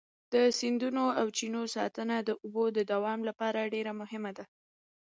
د سیندونو او چینو ساتنه د اوبو د دوام لپاره ډېره مهمه ده.